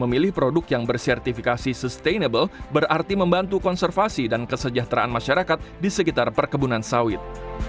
memilih produk yang bersertifikasi sustainable berarti membantu konservasi dan kesejahteraan masyarakat di sekitar perkebunan sawit